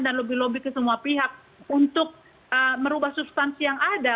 dan lebih lebih ke semua pihak untuk merubah substansi yang ada